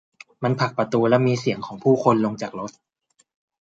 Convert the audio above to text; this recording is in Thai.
มันผลักประตู และมีเสียงของผู้คนลงจากรถ